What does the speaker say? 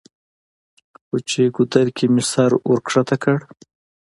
خو چې ګودر کښې مې سر ورښکته کړو